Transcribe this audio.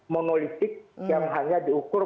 monolitik yang hanya diukur